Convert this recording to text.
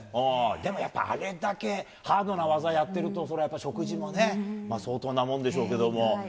でもやっぱあれだけハードな技やってると、そりゃやっぱり食事もね、相当なもんでしょうけども。